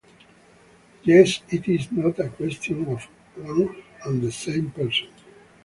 Yet it is not a question of one and the same person.